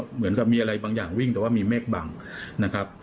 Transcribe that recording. เหมือนกับมีอะไรบางอย่างวิ่งแต่ว่ามีเมฆบังนะครับ